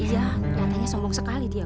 iya katanya sombong sekali dia